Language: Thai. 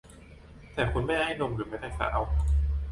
แต่คุณแม่ให้นมหรือแม้แต่สาว